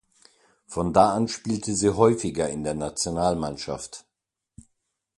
Von da an spielte sie häufiger in der Nationalmannschaft.